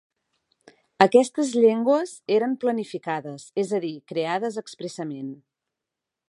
Aquestes llengües eren planificades, és a dir, creades expressament.